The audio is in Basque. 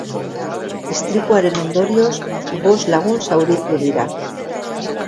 Istripuaren ondorioz, bost lagun zauritu dira.